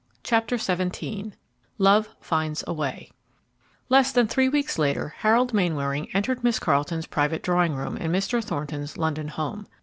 CHAPTER XVII LOVE FINDS A WAY Less than three weeks later, Harold Mainwaring entered Miss Carleton's private drawing room in Mr. Thornton's London home.